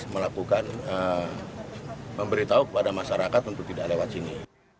melakukan memberitahu kepada masyarakat untuk tidak lewat sini